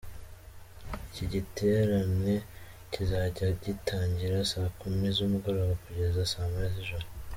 Iki giterane kizajya gitangira saa kumi z'umugoroba kugeza saa moya z’ijoro.